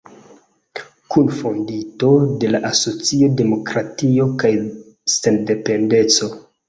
Kunfondinto de la asocio Demokratio kaj sendependeco.